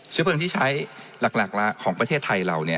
เชื้อเพลิงที่ใช้หลักละของประเทศไทยเรา